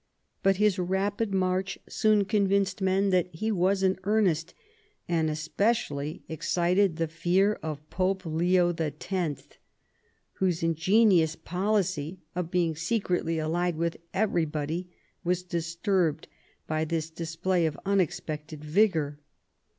But his rapid march soon convinced men that he was in earnest^ and especially excited the fear of Pope Leo X., whose ingenious policy of being secretly allied with everybody was dis turbed by this display of unexpected vigour.